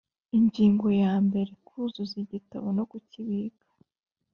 Ingingo ya mbere Kuzuza igitabo no kukibika